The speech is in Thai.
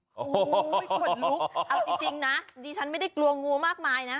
จริงน่ะดิฉันไม่ได้กลัวงูมากมายนะ